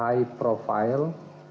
dan dengan high profile